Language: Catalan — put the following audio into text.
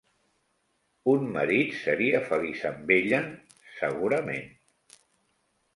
Un marit seria feliç amb ella? Segurament.